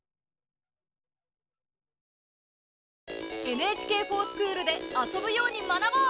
「ＮＨＫｆｏｒＳｃｈｏｏｌ」で遊ぶように学ぼう！